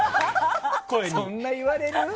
そんな言われる？